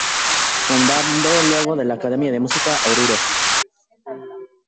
Fundando luego la Academia de Música "Oruro".